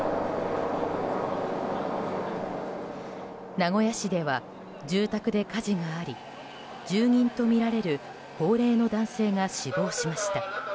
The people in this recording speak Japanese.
名古屋市では住宅で火事があり住人とみられる高齢の男性が死亡しました。